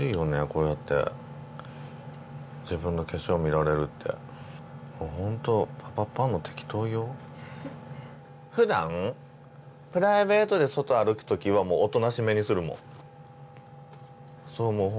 こうやって自分の化粧見られるってホントパパパの適当よふだんプライベートで外歩くときはもうおとなしめにするもんそう